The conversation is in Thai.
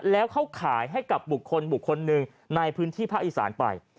แล้วเขาขายให้กับบุคคลบุคคลหนึ่งในพื้นที่ภาคอีสานไป